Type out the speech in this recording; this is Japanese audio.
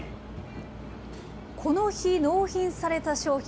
この日、納品された商品。